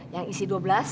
yang isi dua belas